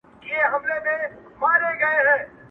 یو کیسې کوي د مړو بل د غم په ټال زنګیږي!